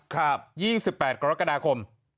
๒๘กรกฎาคม